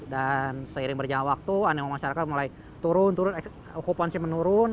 dan seiring berjalan waktu aneh aneh masyarakat mulai turun turun ekopansi menurun